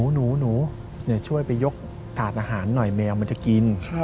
หนูช่วยไปยกถาดอาหารหน่อยแมวมันจะกิน